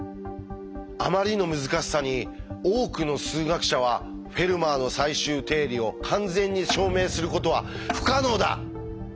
あまりの難しさに多くの数学者は「『フェルマーの最終定理』を完全に証明することは不可能だ！